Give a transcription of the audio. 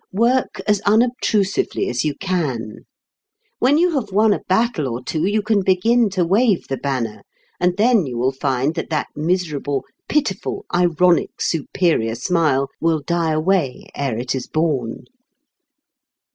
Work as unobtrusively as you can. When you have won a battle or two you can begin to wave the banner, and then you will find that that miserable, pitiful, ironic, superior smile will die away ere it is born.